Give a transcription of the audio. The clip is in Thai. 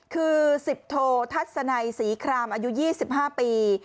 คือสิบโททัศน์ไหนศรีครามอายุ๒๕ปี